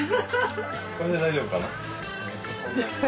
これで大丈夫かな？